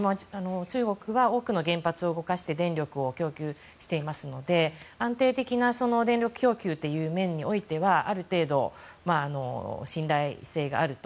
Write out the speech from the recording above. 中国は多くの原発を動かして電力を供給しているので安定的な電力供給という面においてはある程度、信頼性があると。